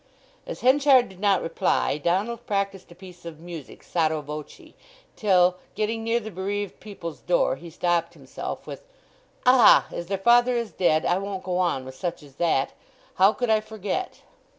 As Henchard did not reply Donald practised a piece of music sotto voce, till, getting near the bereaved people's door, he stopped himself with— "Ah, as their father is dead I won't go on with such as that. How could I forget?"